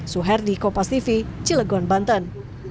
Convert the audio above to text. suherdi kopas tv cilegon banten